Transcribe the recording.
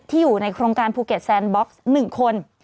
อยู่ในโครงการภูเก็ตแซนบ็อกซ์๑คน